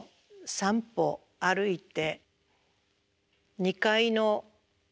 ３歩歩いて？